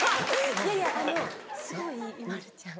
いやいやあのすごいＩＭＡＬＵちゃん